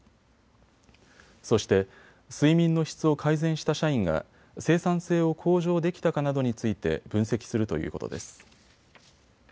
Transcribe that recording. そして睡眠の質を改善した社員が生産性を向上できたかなどについて分析するということです。